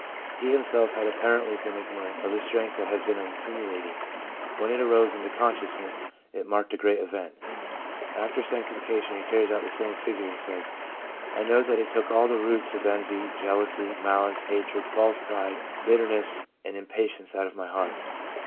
He himself had apparently been SANCTIFICATION 383 ignorant of the strength that had been accumulating ; when it arose into consciousness, it marked a great event. After sanctification he carries out the same figure, and says :' I know that it took all the roots of envy, jealousy, malice, hatred, false pride, bitterness and impatience out of my heart.'